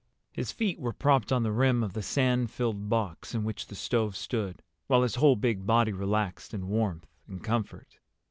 His feet were propped on the rim of the sand filled box in which the stove stood, while his whole big body relaxed in warmth and comfort.